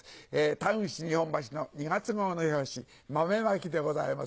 タウン誌『日本橋』の２月号の表紙豆まきでございます。